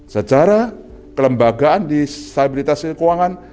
secara kelembagaan di stabilitas sistem keuangan